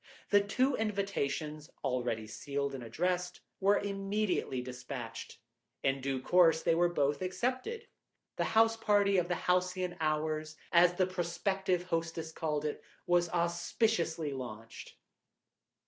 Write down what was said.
The two invitations, already sealed and addressed, were immediately dispatched; in due course they were both accepted. The house party of the halcyon hours, as the prospective hostess called it, was auspiciously launched.